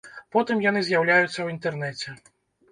Потым яны з'яўляюцца ў інтэрнэце.